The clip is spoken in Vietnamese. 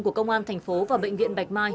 của công an thành phố và bệnh viện bạch mai